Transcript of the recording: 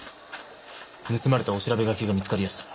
盗まれた御調べ書きが見つかりやした！